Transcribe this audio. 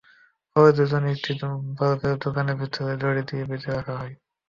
পরে দুজনকে একটি বরফের দোকানের ভেতরে নিয়ে দড়ি দিয়ে বেঁধে রাখা হয়।